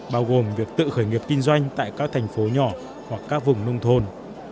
bao gồm việc tự khởi nghiệp kinh doanh tại các thành phố nhỏ hoặc các vùng nông thôn